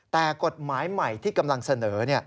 แต่กฎหมายใหม่ที่กำลังเสนอ